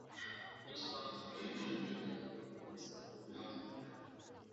New songs were chosen with the help of the listener advisory panel.